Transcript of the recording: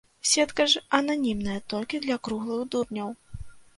Сетка ж ананімная толькі для круглых дурняў.